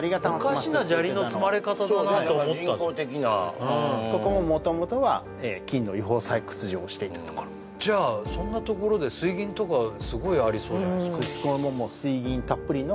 おかしな砂利の積まれ方だなと人工的なうんここも元々は金の違法採掘をしていたところじゃあそんなところで水銀とかすごいありそうじゃないですか